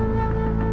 saya sudah selesai